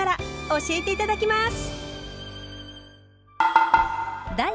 教えて頂きます。